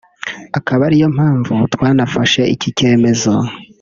akaba ariyo mpanvu twanafashe iki cyemezo